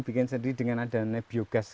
bikin sendiri dengan adanya biogas